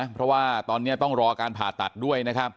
เพราะว่าตอนนี้ต้องรอการผ่าตัดด้วยนะครับ